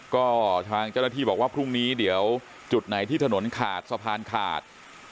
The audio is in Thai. ก็ทางเจ้าหน้าที่บอกว่าพรุ่งนี้เดี๋ยวจุดไหนที่ถนนขาดสะพานขาด